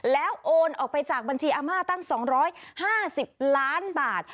แล้วโอนออกไปจากบัญชีอาม่าตั้ง๒๕๐ล้านบาท